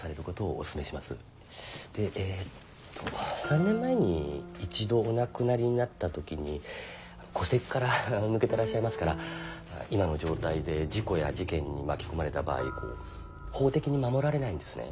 でえっと３年前に一度お亡くなりになった時に戸籍から抜けてらっしゃいますから今の状態で事故や事件に巻き込まれた場合法的に守られないんですね。